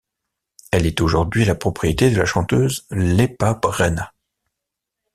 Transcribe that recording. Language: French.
Elle est aujourd'hui la propriété de la chanteuse Lepa Brena.